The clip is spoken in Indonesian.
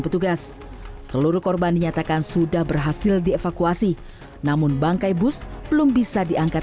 petugas seluruh korban dinyatakan sudah berhasil dievakuasi namun bangkai bus belum bisa diangkat